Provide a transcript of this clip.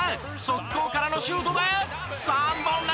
速攻からのシュートで３本連続！